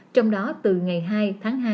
trong đó từ ngày hai tháng hai